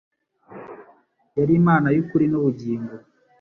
Yari Imana y'ukuri n’ubugingo